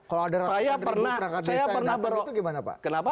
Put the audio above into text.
kalau ada ratusan pemilu perangkat desa yang datang itu gimana pak